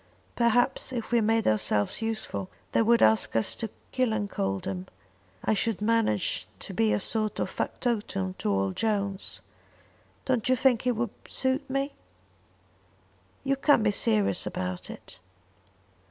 Perhaps if we made ourselves useful, they would ask us to Killancodlem. I should manage to be a sort of factotum to old Jones. Don't you think it would suit me?" "You can't be serious about it."